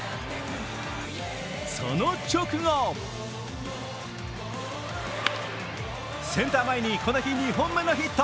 その直後センター前にこの日、２本目のヒット。